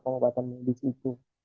pengobatan medis itu